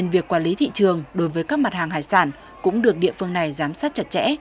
việc quản lý thị trường đối với các mặt hàng hải sản cũng được địa phương này giám sát chặt chẽ